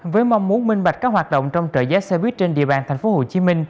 với mong muốn minh bạch các hoạt động trong trợ giá xe buýt trên địa bàn tp hcm